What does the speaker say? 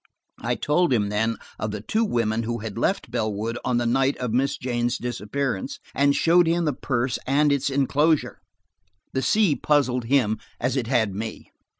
I told him then of the two women who had left Bellwood on the night of Miss Jane's disappearance, and showed him the purse and its inclosure. The C puzzled him as it had me.